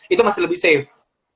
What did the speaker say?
itu masih lebih safe